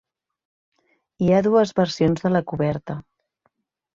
Hi ha dues versions de la coberta.